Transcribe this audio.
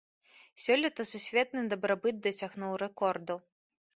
Сёлета сусветны дабрабыт дасягнуў рэкорду.